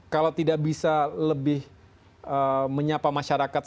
kalau tidak bisa lebih menyapa masyarakat